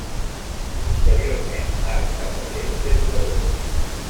Posteriorment, ha estat agent de jugadors.